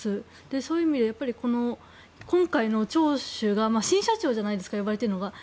そういう意味で今回の聴取が新社長じゃないですか呼ばれているのが。